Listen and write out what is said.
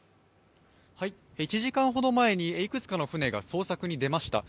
１時間ほど前にいくつかの船が捜索に出ました。